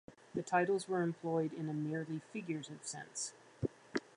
The titles were employed in a merely figurative sense.